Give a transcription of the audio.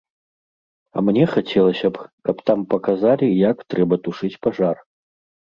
А мне хацелася б, каб там паказалі, як трэба тушыць пажар.